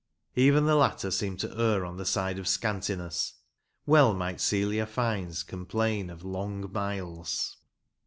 Even the latter seem to err on the side of scantiness. Well might Celia Fiennes complain of " long " miles